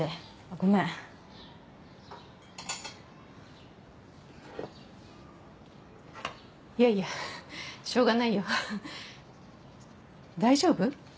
ごめんいやいやしょうがないよ大丈夫？